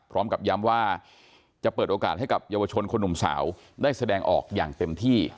พร้อมกับย้ำว่าจะเปิดโอกาสให้กับเยาวชนคนหนุ่มสาวได้แสดงออกอย่างเต็มที่